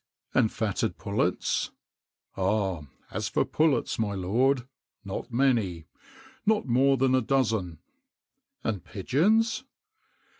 "And fatted pullets?" "Ah! as for pullets, my lord, not many: not more than a dozen." "And pigeons?"